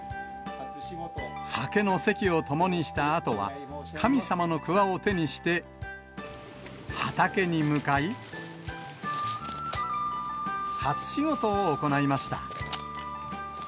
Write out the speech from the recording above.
酒の席をともにしたあとは、神様のくわを手にして、畑に向かい、初仕事を行いました。